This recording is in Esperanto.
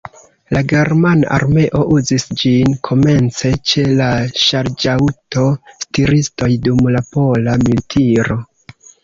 La germana armeo uzis ĝin komence ĉe la ŝarĝaŭto-stiristoj dum la pola militiro.